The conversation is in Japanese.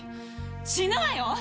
死ぬわよ？